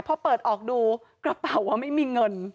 พอเปิดออกดูกระเป๋าไม่มีเงิน